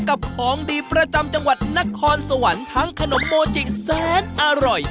ของดีประจำจังหวัดนครสวรรค์ทั้งขนมโมจิแสนอร่อย